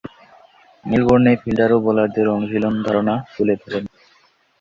মেলবোর্নে fielder ও বোলারদের অনুশীলন ধারণা তুলে ধরেন।